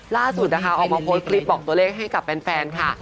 ล่าสุดนะคะออกมาโพสต์คลิปบอกตัวเลขให้กับแฟนค่ะ